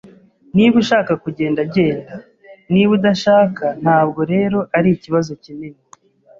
Niba ushaka kugenda, genda. Niba udashaka, ntabwo rero ari ikibazo kinini.